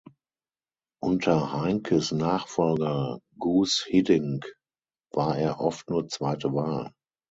Unter Heynckes-Nachfolger Guus Hiddink war er oft nur zweite Wahl.